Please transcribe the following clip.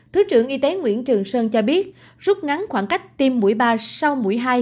thứ trưởng y tế nguyễn trường sơn cho biết rút ngắn khoảng cách tiêm mũi ba sau mũi hai